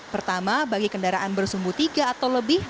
pertama bagi kendaraan bersumbu tiga atau lebih